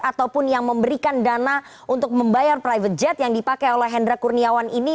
ataupun yang memberikan dana untuk membayar private jet yang dipakai oleh hendra kurniawan ini